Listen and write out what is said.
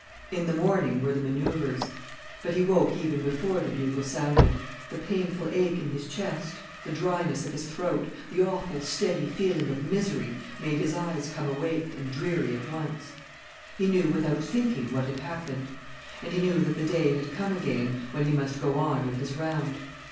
In the morning were the manœuvres. But he woke even before the bugle sounded. The painful ache in his chest, the dryness of his throat, the awful steady feeling of misery made his eyes come awake and dreary at once. He knew, without thinking, what had happened. And he knew that the day had come again, when he must go on with his round.